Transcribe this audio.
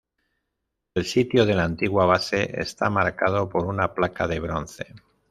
El sitio de la antigua base está marcado por una placa de bronce.